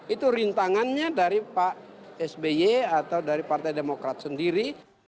itu rintangannya dari pak sby atau dari partai demokrat sendiri